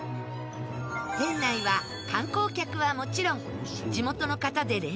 店内は観光客はもちろん地元の方で連日大盛況！